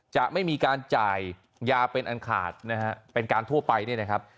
จะไม่มีการจ่ายยาเป็นอันขาดนะฮะเป็นการทั่วไปเนี่ยนะครับ